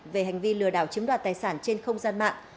về hành vi lừa đảo chiếm đoạt tài sản trên không gian mạng